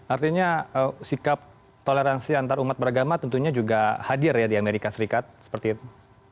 artinya sikap toleransi antarumat beragama tentunya juga hadir ya di amerika serikat seperti itu